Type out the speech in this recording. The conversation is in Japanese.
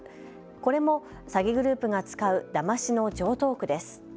これも詐欺グループが使うだましの常とう句です。